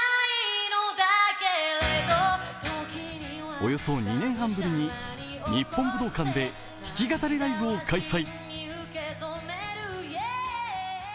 およそ２年半ぶりに日本武道館で弾き語りライブを開催。